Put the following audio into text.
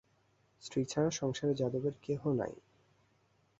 স্ত্রী ছাড়া সংসারে যাদবের কেহ নাই।